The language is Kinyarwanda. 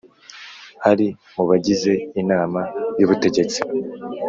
ari mu bagize Inama y Ubutegetsi